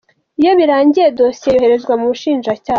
Iyo birangiye dosiye yoherezwa mu Bushinjacyaha.